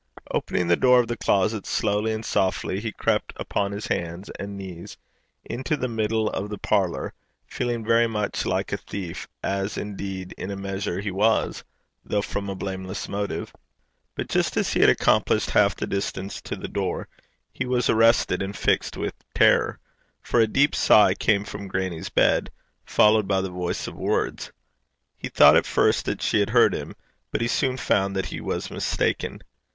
Opening the door of the closet slowly and softly, he crept upon his hands and knees into the middle of the parlour, feeling very much like a thief, as, indeed, in a measure he was, though from a blameless motive. But just as he had accomplished half the distance to the door, he was arrested and fixed with terror; for a deep sigh came from grannie's bed, followed by the voice of words. He thought at first that she had heard him, but he soon found that he was mistaken.